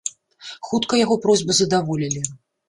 Хутка яго просьбу задаволілі.